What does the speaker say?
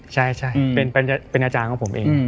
ใช่เป็นอาจารย์ของผมเอง